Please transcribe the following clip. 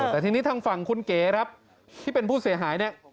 แต่ทีนี้ทางฝั่งคุณเก๋ที่เป็นผู้เสียหาย